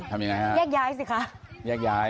ทำยังไงฮะแยกย้ายสิคะแยกย้าย